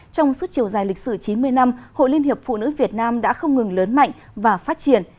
trong suốt chiều dài lịch sử chín mươi năm hội liên hiệp phụ nữ việt nam đã không ngừng lớn mạnh và phát triển